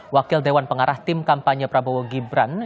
wakil dewan pengarah tim kampanye prabowo gibran